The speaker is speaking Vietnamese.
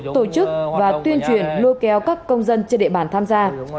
tổ chức và tuyên truyền lôi kéo các công dân trên địa bàn tham gia